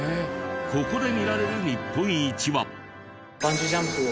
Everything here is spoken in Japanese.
ここで見られる日本一は。